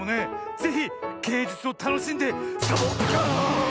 ぜひげいじゅつをたのしんでサボッ